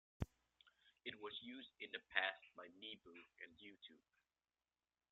It was used in the past by Meebo and YouTube.